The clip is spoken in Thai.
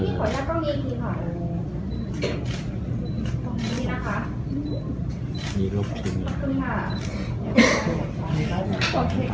อันนี้ก็มองดูนะคะ